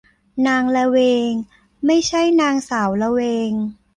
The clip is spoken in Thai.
นางละเวง ไม่ใช่นางสาวละเวง